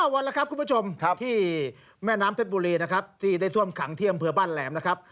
วันแล้วครับคุณผู้ชมที่แม่น้ำเพชรบุรีนะครับที่ได้ท่วมขังที่อำเภอบ้านแหลมนะครับ